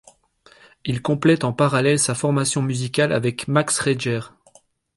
Il complète en parallèle sa formation musicale avec Max Reger.